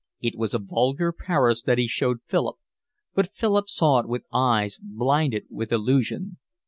It was a vulgar Paris that he showed Philip, but Philip saw it with eyes blinded with illusion.